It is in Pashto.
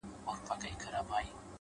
مخ ځيني واړوه ته;